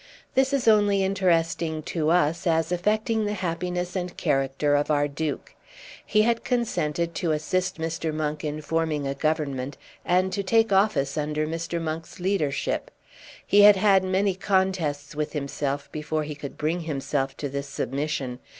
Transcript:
This is only interesting to us as affecting the happiness and character of our Duke. He had consented to assist Mr. Monk in forming a government, and to take office under Mr. Monk's leadership. He had had many contests with himself before he could bring himself to this submission.